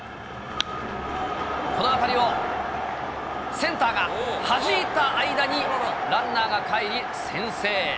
この当たりをセンターがはじいた間に、ランナーがかえり先制。